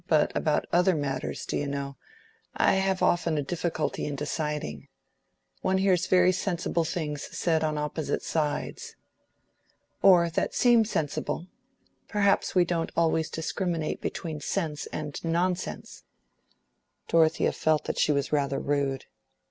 But about other matters, do you know, I have often a difficulty in deciding. One hears very sensible things said on opposite sides." "Or that seem sensible. Perhaps we don't always discriminate between sense and nonsense." Dorothea felt that she was rather rude.